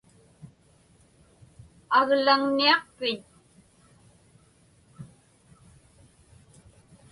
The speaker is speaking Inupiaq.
Aglaŋniaqpiñ?